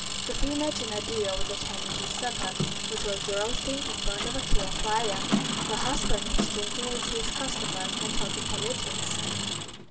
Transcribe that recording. The female Thénardier was attending to the supper, which was roasting in front of a clear fire; her husband was drinking with his customers and talking politics.